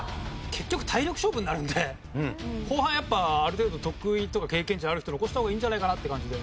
結局体力勝負になるので後半やっぱある程度得意とか経験値ある人残した方がいいんじゃないかなって感じで。